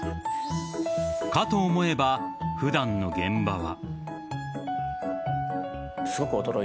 かと思えば、普段の現場は。